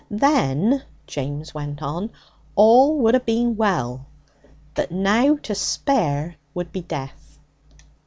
'Then,' James went on, 'all would 'a been well. But now to spare would be death.'